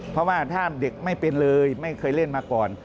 เพราะว่าถ้าเด็กไม่เป็นเลยไม่เคยเล่นมาก่อน